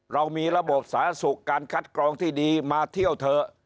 เรามีระบบสาธารณสุขการคัดกรองที่ดีมาเที่ยวเถอะ